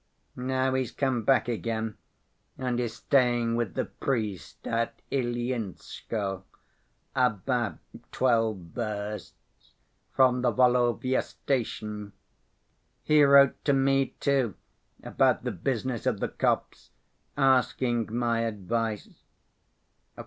Now he's come back again and is staying with the priest at Ilyinskoe, about twelve versts from the Volovya station. He wrote to me, too, about the business of the copse, asking my advice.